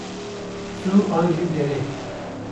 Zû an jî dereng.